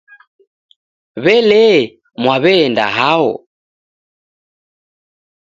W'elee, Mwaw'enda hao?